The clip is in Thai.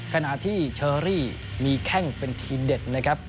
ขณะที่เชอรี่มีแข้งเป็นทีเด็ดนะครับ